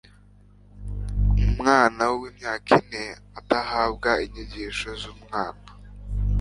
umwana w'imyaka ine atahabwa inyigisho z'umwana